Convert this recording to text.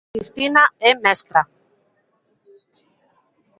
Cristina é mestra.